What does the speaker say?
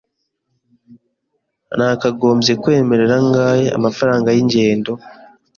Nakagombye kwemerera angahe amafaranga yingendo?